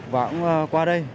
và cũng qua đây